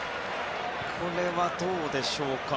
これはどうでしょうか。